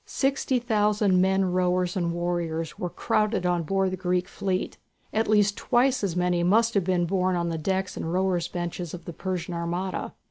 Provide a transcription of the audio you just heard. Sixty thousand men rowers and warriors were crowded on board the Greek fleet. At least twice as many must have been borne on the decks and rowers' benches of the Persian armada.